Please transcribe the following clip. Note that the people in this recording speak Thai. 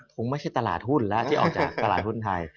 คงไม่ใช่ตลาดหุ้นแล้วที่ออกจากตลาดหุ้นไทย